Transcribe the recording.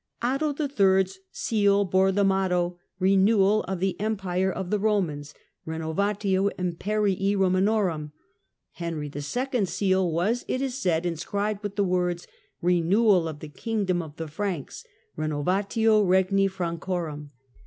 Otto III.'s seal bore the motto, "Eenewal of the Empire of the B^omans" (Benovaiio Imperii Romanorwni) ; Henry XL's seal was, it is said, inscribed with the words "Eenewal of the kingdom of the Franks" {Benovatio regni Francorum).